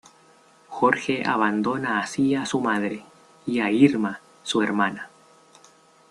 Jorge abandona así a su madre y a Irma, su hermana.